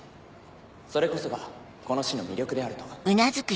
それこそがこの市の魅力であると。